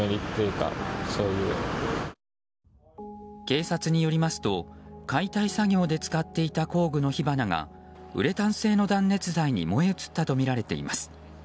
警察によりますと解体作業で使っていた工具の火花がウレタン製の断熱材に燃え移ったとみられています。